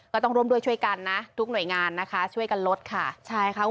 ก็ต้องร่วมด้วยช่วยกันนะทุกหน่วยงานนะคะช่วยกันลดค่ะใช่ค่ะ